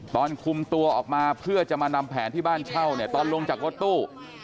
ตอนคุมตัวออกมาเพื่อจะมานำแผนที่บ้านเช่าเนี่ยตอนลงจากรถตู้